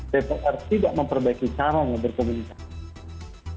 dpr tidak memperbaiki cara untuk berkomunikasi